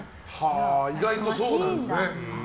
意外とそうなんですね。